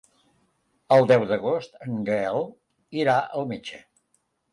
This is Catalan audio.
El deu d'agost en Gaël irà al metge.